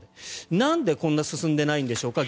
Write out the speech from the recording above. なんでこんなに進んでいないんでしょうか。